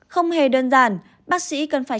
không hề đơn giản bác sĩ cần phải